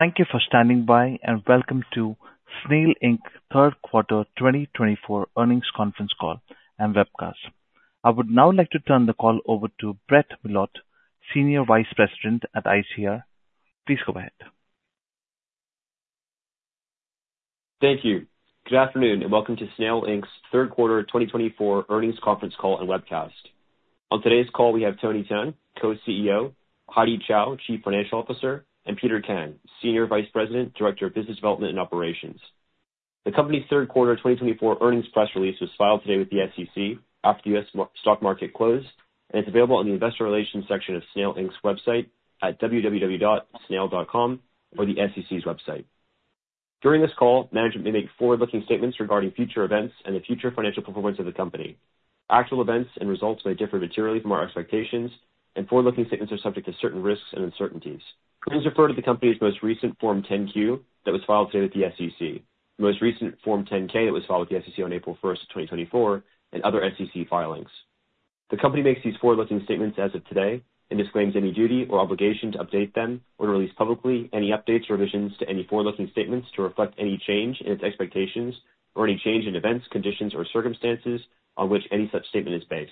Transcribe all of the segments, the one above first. Thank you for standing by, and welcome to Snail Q3 twenty twenty-four Earnings Conference Call and webcast. I would now like to turn the call over to Brett Millot, Senior Vice President at ICR. Please go ahead. Thank you. Good afternoon, and welcome to Snail's Q3 twenty twenty-four Earnings Conference Call and webcast. On today's call, we have Tony Tian, Co-CEO, Heidy Chow, Chief Financial Officer, and Peter Kang, Senior Vice President, Director of Business Development and Operations. The company's Q3 twenty twenty-four earnings press release was filed today with the SEC after the U.S. stock market closed, and it's available on the Investor Relations section of Snail's website at www.snail.com or the SEC's website. During this call, management may make forward-looking statements regarding future events and the future financial performance of the company. Actual events and results may differ materially from our expectations, and forward-looking statements are subject to certain risks and uncertainties. Please refer to the company's most recent Form 10-Q that was filed today with the SEC, the most recent Form 10-K that was filed with the SEC on April 1, twenty twenty-four, and other SEC filings. The company makes these forward-looking statements as of today and disclaims any duty or obligation to update them or to release publicly any updates or revisions to any forward-looking statements to reflect any change in its expectations or any change in events, conditions, or circumstances on which any such statement is based.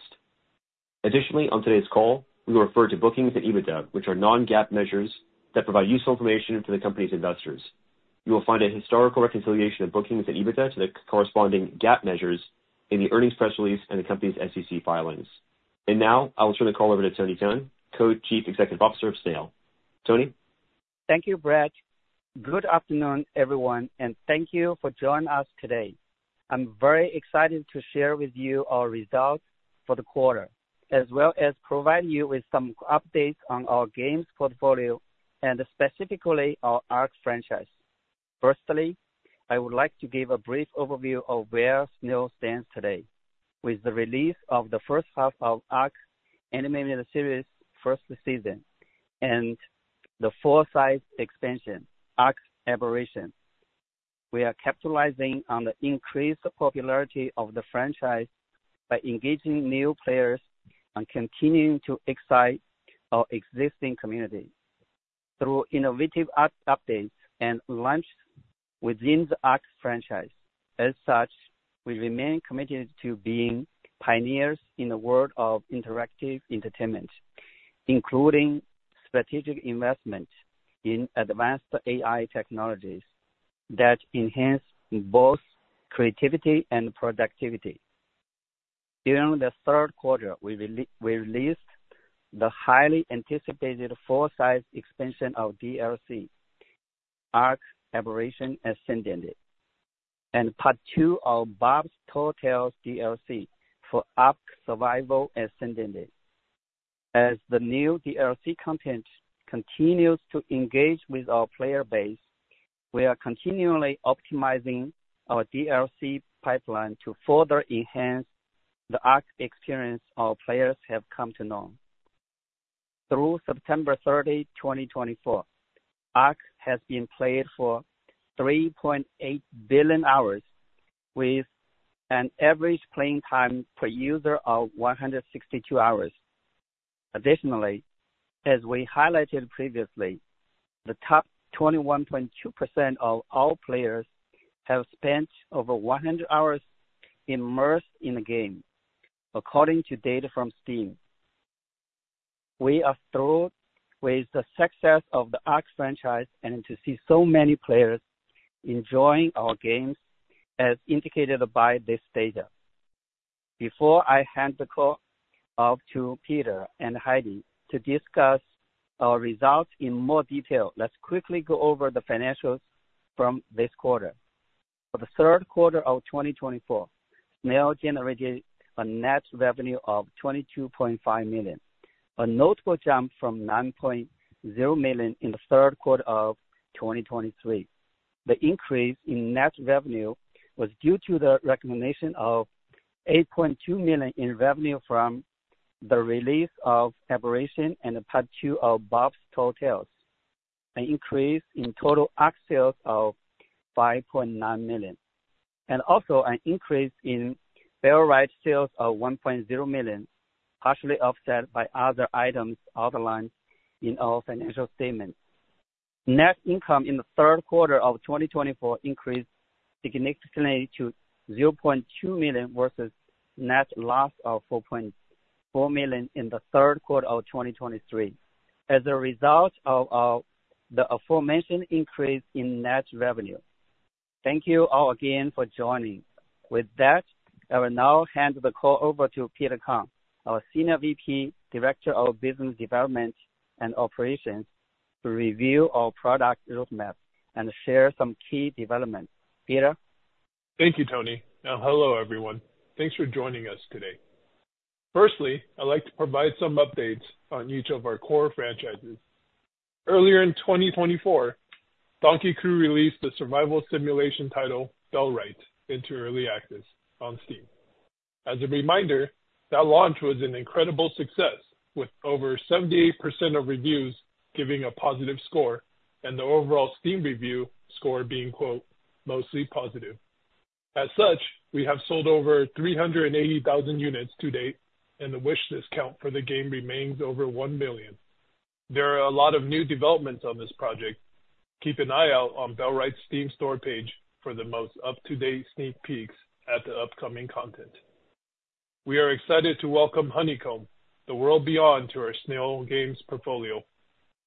Additionally, on today's call, we will refer to bookings and EBITDA, which are non-GAAP measures that provide useful information for the company's investors. You will find a historical reconciliation of bookings and EBITDA to the corresponding GAAP measures in the earnings press release and the company's SEC filings. Now, I will turn the call over to Tony Tian, Co-Chief Executive Officer of Snail. Tony? Thank you, Brett. Good afternoon, everyone, and thank you for joining us today. I'm very excited to share with you our results for the quarter, as well as provide you with some updates on our games portfolio and specifically our ARK franchise. Firstly, I would like to give a brief overview of where Snail stands today. With the release of the first half of ARK Animated Series first season and the full-size expansion, ARK Aberration, we are capitalizing on the increased popularity of the franchise by engaging new players and continuing to excite our existing community through innovative updates and launches within the ARK franchise. As such, we remain committed to being pioneers in the world of interactive entertainment, including strategic investment in advanced AI technologies that enhance both creativity and productivity. During the Q3, we released the highly anticipated full-size expansion of DLC, ARK: Aberration Ascended, and part two of Bob's Tall Tales DLC for ARK: Survival Ascended. As the new DLC content continues to engage with our player base, we are continually optimizing our DLC pipeline to further enhance the ARK experience our players have come to know. Through 30th of September, twenty twenty-four, ARK has been played for 3.8 billion hours, with an average playing time per user of 162 hours. Additionally, as we highlighted previously, the top 21.2% of all players have spent over 100 hours immersed in the game, according to data from Steam. We are thrilled with the success of the ARK franchise and to see so many players enjoying our games, as indicated by this data. Before I hand the call off to Peter and Heidy to discuss our results in more detail, let's quickly go over the financials from this quarter. For the Q3 of twenty twenty-four Snail generated a net revenue of $22.5 million, a notable jump from $9.0 million in the Q3 of twenty twenty-three. The increase in net revenue was due to the recognition of $8.2 million in revenue from the release of Aberration and part two of Bob's Tall Tales, an increase in total ARK sales of $5.9 million, and also an increase in Bellwright sales of $1.0 million, partially offset by other items outlined in our financial statements. Net income in the Q3 of twenty twenty-four increased significantly to $0.2 million versus net loss of $4.4 million in the Q3 of twenty twenty-three, as a result of the aforementioned increase in net revenue. Thank you all again for joining. With that, I will now hand the call over to Peter Kang, our Senior VP, Director of Business Development and Operations, to review our product roadmap and share some key developments. Peter. Thank you, Tony. Now, hello, everyone. Thanks for joining us today. Firstly, I'd like to provide some updates on each of our core franchises. Earlier in twenty twenty-four, Donkey Crew released the survival simulation title Bellwright into early access on Steam. As a reminder, that launch was an incredible success, with over 78% of reviews giving a positive score and the overall Steam review score being, quote, "mostly positive." As such, we have sold over 380,000 units to date, and the wishlist count for the game remains over 1 million. There are a lot of new developments on this project. Keep an eye out on Bellwright's Steam store page for the most up-to-date sneak peeks at the upcoming content. We are excited to welcome Honeycomb: The World Beyond to our Snail Games portfolio.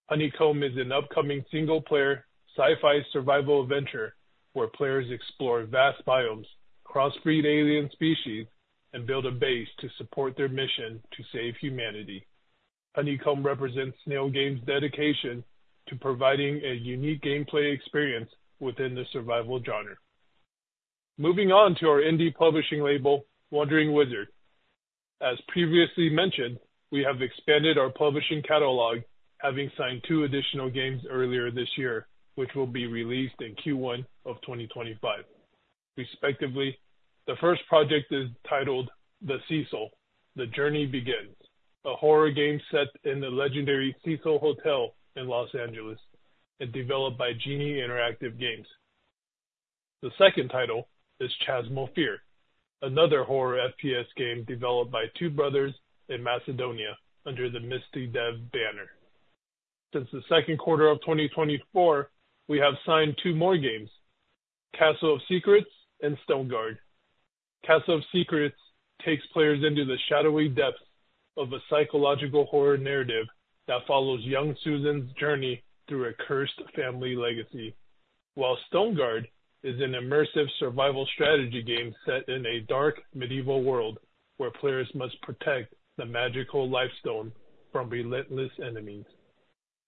Honeycomb is an upcoming single-player sci-fi survival adventure where players explore vast biomes, crossbreed alien species, and build a base to support their mission to save humanity. Honeycomb represents Snail Games' dedication to providing a unique gameplay experience within the survival genre. Moving on to our indie publishing label, Wandering Wizard. As previously mentioned, we have expanded our publishing catalog, having signed two additional games earlier this year, which will be released in Q1 of twenty twenty-five. Respectively, the first project is titled The Cecil: The Journey Begins, a horror game set in the legendary Cecil Hotel in Los Angeles and developed by Genie Interactive Games. The second title is Chasmos, another horror FPS game developed by two brothers in Macedonia under the Misty Dev banner. Since the second quarter of twenty twetny-four, we have signed two more games, Castle of Secrets and Stoneguard. Castle of Secrets takes players into the shadowy depths of a psychological horror narrative that follows young Susan's journey through a cursed family legacy, while Stoneguard is an immersive survival strategy game set in a dark medieval world where players must protect the magical Lifestone from relentless enemies.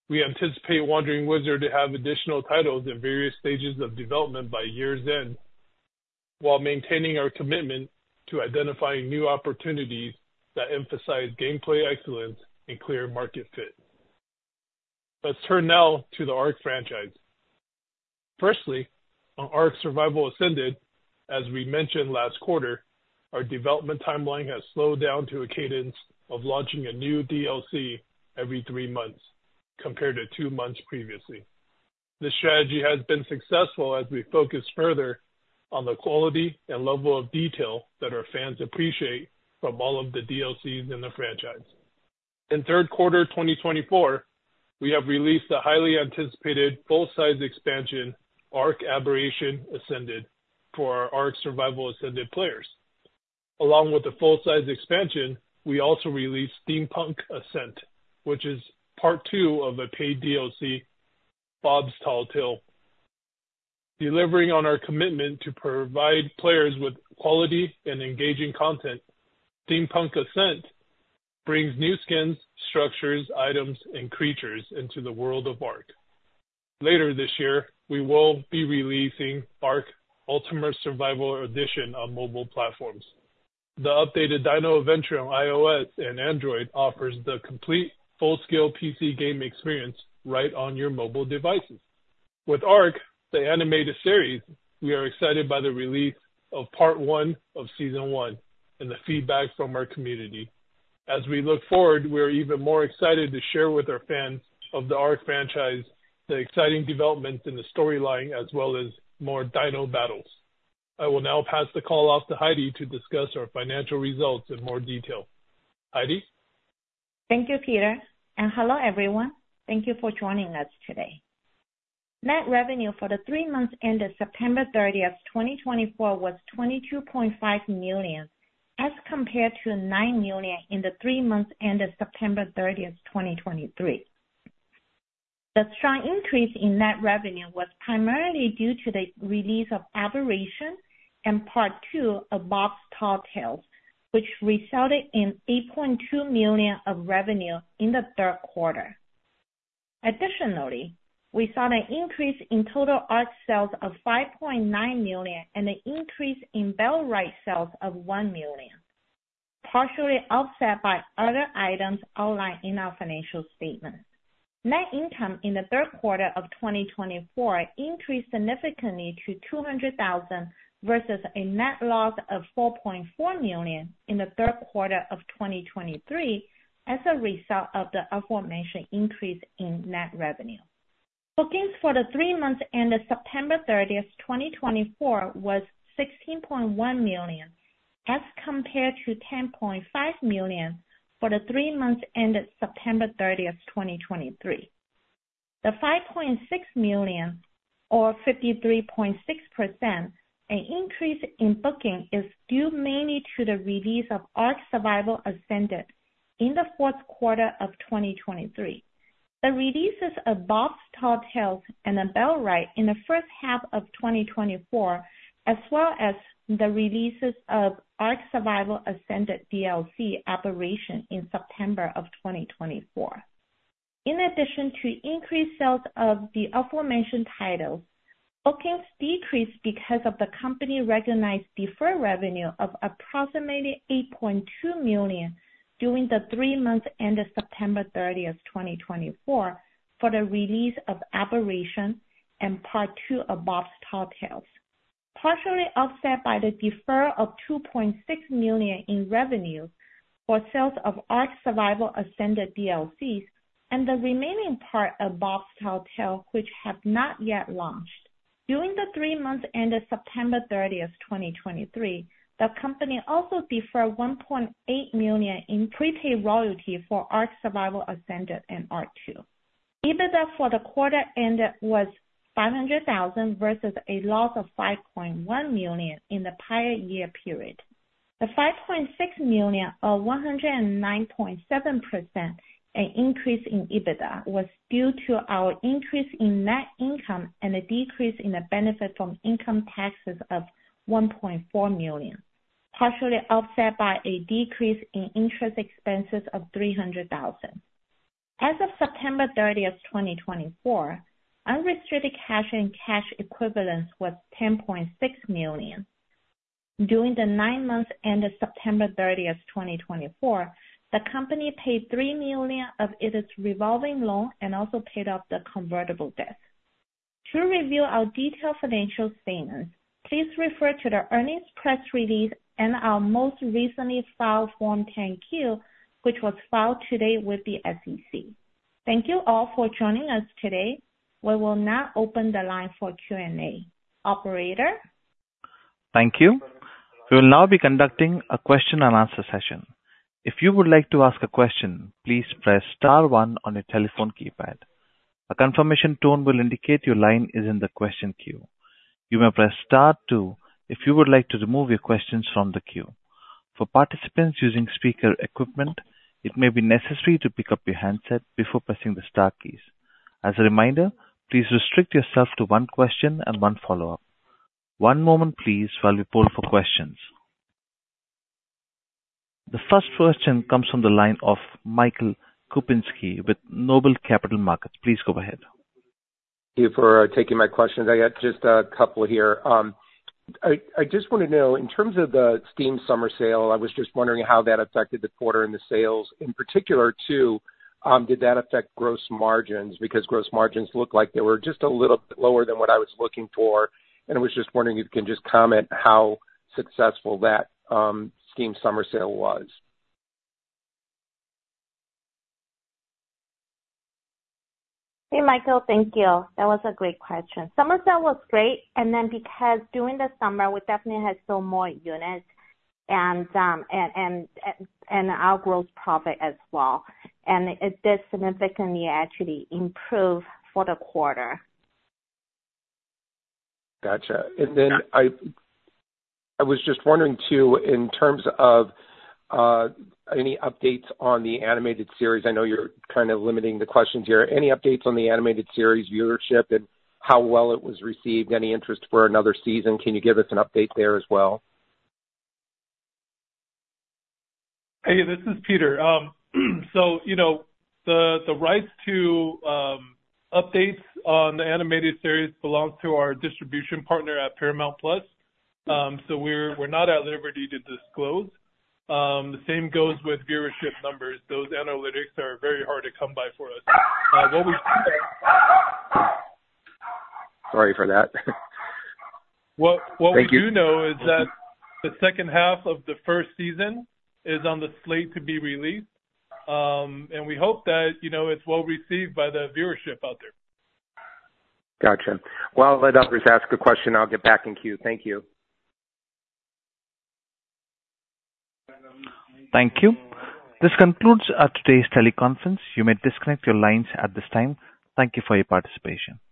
We anticipate Wandering Wizard to have additional titles in various stages of development by year's end while maintaining our commitment to identifying new opportunities that emphasize gameplay excellence and clear market fit. Let's turn now to the ARK franchise. Firstly, on ARK: Survival Ascended, as we mentioned last quarter, our development timeline has slowed down to a cadence of launching a new DLC every three months compared to two months previously. This strategy has been successful as we focus further on the quality and level of detail that our fans appreciate from all of the DLCs in the franchise. In Q3 twenty twenty-four, we have released the highly anticipated full-size expansion, ARK: Aberration Ascended, for our ARK: Survival Ascended players. Along with the full-size expansion, we also released Steampunk Ascent, which is part two of a paid DLC, Bob's Tall Tales. Delivering on our commitment to provide players with quality and engaging content, Steampunk Ascent brings new skins, structures, items, and creatures into the world of ARK. Later this year, we will be releasing ARK: Ultimate Survivor Edition on mobile platforms. The updated Dino Adventure on iOS and Android offers the complete full-scale PC game experience right on your mobile devices. With ARK: The Animated Series, we are excited by the release of part one of season one and the feedback from our community. As we look forward, we are even more excited to share with our fans of the ARK franchise the exciting developments in the storyline, as well as more dino battles. I will now pass the call off to Heidy to discuss our financial results in more detail. Heidy? Thank you, Peter. And hello, everyone. Thank you for joining us today. Net revenue for the three months ended 30th of September, twenty twenty-four, was $22.5 million as compared to $9 million in the three months ended 30th of September, twenty twenty-three. The strong increase in net revenue was primarily due to the release of Aberration and part two of Bob's Tall Tales, which resulted in $8.2 million of revenue in the Q3. Additionally, we saw an increase in total ARK sales of $5.9 million and an increase in Bellwright sales of $1 million, partially offset by other items outlined in our financial statement. Net income in the Q3 of twenty twenty-four increased significantly to $200,000 versus a net loss of $4.4 million in the Q3 of twenty twenty-three as a result of the aforementioned increase in net revenue. Bookings for the three months ended 30th of September, twenty twenty-four, was $16.1 million as compared to $10.5 million for the three months ended 30th of September, twenty twenty-three. The $5.6 million, or 53.6%, increase in bookings is due mainly to the release of ARK: Survival Ascended in the Q4 of twenty twenty-three, the releases of Bob's Tall Tales and Bellwright in the first half of twenty twenty-four, as well as the releases of ARK: Aberration Ascended in September of twenty twenty-four. In addition to increased sales of the aforementioned titles, bookings decreased because of the company-recognized deferred revenue of approximately $8.2 million during the three months ended 30th of September, twenty twenty-four, for the release of Aberration and part two of Bob's Tall Tales, partially offset by the deferral of $2.6 million in revenue for sales of ARK: Survival Ascended DLCs and the remaining part of Bob's Tall Tales, which have not yet launched. During the three months ended 30th of September, twenty twenty-three, the company also deferred $1.8 million in prepaid royalty for ARK: Survival Ascended and part two. EBITDA for the quarter ended was $500,000 versus a loss of $5.1 million in the prior year period. The $5.6 million, or 109.7%, increase in EBITDA was due to our increase in net income and a decrease in the benefit from income taxes of $1.4 million, partially offset by a decrease in interest expenses of $300,000. As of 30th of September, twenty twenty-four, unrestricted cash and cash equivalents were $10.6 million. During the nine months ended 30th of September, twenty twenty-four, the company paid $3 million of its revolving loan and also paid off the convertible debt. To review our detailed financial statements, please refer to the earnings press release and our most recently filed Form 10-Q, which was filed today with the SEC. Thank you all for joining us today. We will now open the line for Q&A. Operator? Thank you. We will now be conducting a question and answer session. If you would like to ask a question, please press Star 1 on your telephone keypad. A confirmation tone will indicate your line is in the question queue. You may press Star 2 if you would like to remove your questions from the queue. For participants using speaker equipment, it may be necessary to pick up your handset before pressing the Star keys. As a reminder, please restrict yourself to one question and one follow-up. One moment, please, while we poll for questions. The first question comes from the line of Michael Kupinski with Noble Capital Markets. Please go ahead. Thank you for taking my questions. I got just a couple here. I just want to know, in terms of the Steam Summer Sale, I was just wondering how that affected the quarter and the sales. In particular, too, did that affect gross margins? Because gross margins looked like they were just a little bit lower than what I was looking for. And I was just wondering if you can just comment how successful that Steam Summer Sale was. Hey, Michael, thank you. That was a great question. Summer Sale was great, and then because during the summer, we definitely had sold more units and our gross profit as well, and it did significantly actually improve for the quarter. Gotcha. And then I was just wondering, too, in terms of any updates on the animated series. I know you're kind of limiting the questions here. Any updates on the animated series viewership and how well it was received? Any interest for another season? Can you give us an update there as well? Hey, this is Peter. So the rights to updates on the animated series belong to our distribution partner at Paramount Plus. So we're not at liberty to disclose. The same goes with viewership numbers. Those analytics are very hard to come by for us. Sorry for that. What we do know is that the second half of the first season is on the slate to be released, and we hope that it's well received by the viewership out there. Gotcha. While I'll let others ask a question, I'll get back in queue. Thank you. Thank you. This concludes today's teleconference. You may disconnect your lines at this time. Thank you for your participation.